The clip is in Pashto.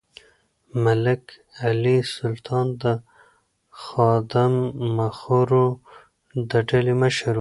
ملک علي سلطان د آدمخورو د ډلې مشر و.